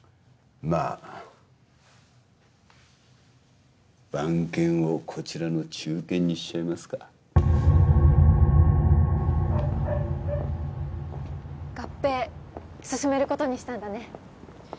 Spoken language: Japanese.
まあ番犬をこちらの忠犬にしちゃいますか合併進めることにしたんだね